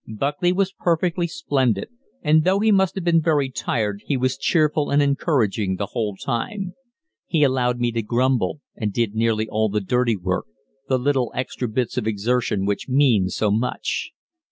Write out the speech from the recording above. Buckley was perfectly splendid, and though he must have been very tired, he was cheerful and encouraging the whole time. He allowed me to grumble, and did nearly all the dirty work, the little extra bits of exertion, which mean so much.